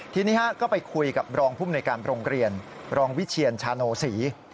ทีนี้ก็ไปคุยกับรองภูมิหน่วยการโรงเรียนรองวิเชียรชาโนศรี